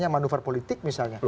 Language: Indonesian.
manuver politik misalnya